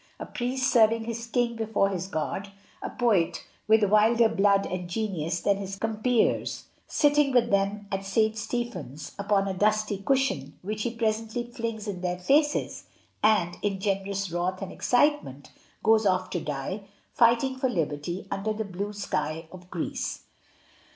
A priest serving his king before his God, a poet, with wilder blood and genius than his compeers, sitting with them at St. Stephen's upon a dusty cushion, which he presently flings in their faces, and, in generous wrath and excitement, goes off to die, fighting for liberty, under the blue sky of Greece.